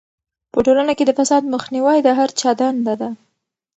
په ټولنه کې د فساد مخنیوی د هر چا دنده ده.